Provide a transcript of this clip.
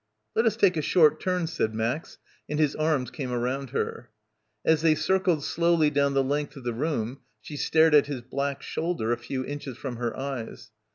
"Let us take a short turn," said Max, and his arms came around her. As they circled slowly down the length of the room she stared at his black shoulder a few inches from her eyes.